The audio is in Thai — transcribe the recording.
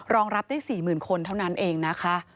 รองรับได้๔๐๐๐คนเท่านั้นเองนะคะ